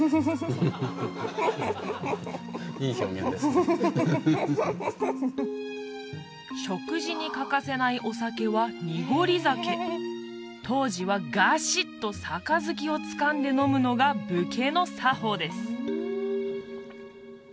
フフフフフ食事に欠かせないお酒は濁り酒当時はガシッと杯をつかんで飲むのが武家の作法です